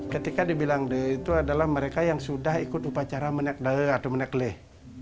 ketika dibilang deh itu adalah mereka yang sudah ikut upacara menekleh